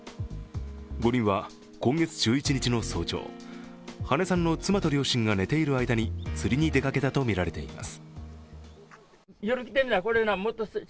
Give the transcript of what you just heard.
５人は今月１１日の早朝羽根さんの妻と両親が寝ている間に釣りに出かけたとみられています。